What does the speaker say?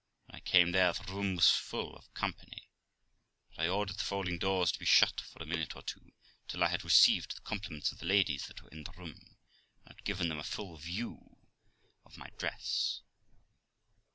When I came there the room was full of company ; but I ordered the folding doors to be shut for a minute or two, till I had received the compliments of the ladies that were in the room, and had given them a full view of my dress.